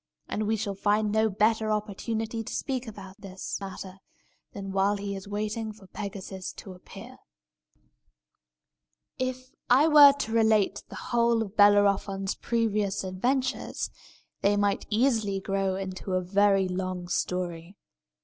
And we shall find no better opportunity to speak about this matter than while he is waiting for Pegasus to appear. If I were to relate the whole of Bellerophon's previous adventures, they might easily grow into a very long story.